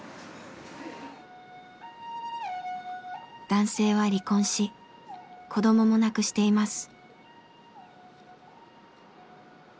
男性は離婚し子どもも亡くしています。